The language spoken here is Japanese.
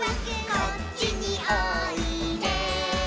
「こっちにおいで」